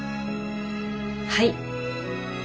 はい。